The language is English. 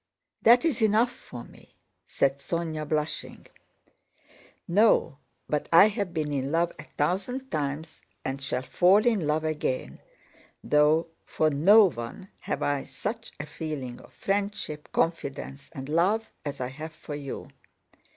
"That is enough for me," said Sónya, blushing. "No, but I have been in love a thousand times and shall fall in love again, though for no one have I such a feeling of friendship, confidence, and love as I have for you.